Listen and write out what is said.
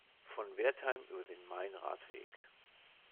Von Wertheim über den Main-Radweg.